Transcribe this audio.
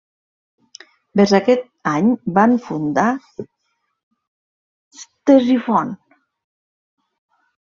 Vers aquest any van fundar Ctesifont.